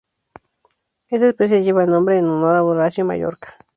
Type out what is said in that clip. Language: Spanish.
Esta especie lleva el nombre en honor a Horacio Mayorga.